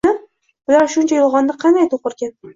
Bular shuncha yolg‘onni qanday to‘qirkin?